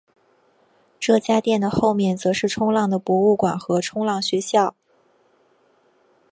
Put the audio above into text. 这家店的后面则是冲浪的博物馆和冲浪学校。